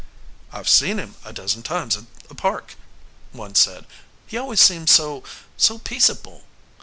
"I've seen him a dozen times in the park," one said. "He always seemed so so peaceable."